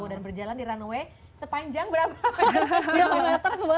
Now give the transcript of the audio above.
dan berjalan di runway sepanjang berapa